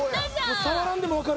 触らんでもわかる。